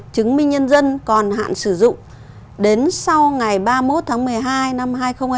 chứng minh nhân dân còn hạn sử dụng đến sau ngày ba mươi một tháng một mươi hai năm hai nghìn hai mươi